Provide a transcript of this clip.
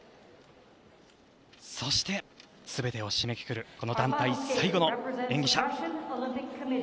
そして、全てを締めくくるこの団体最後の演技者。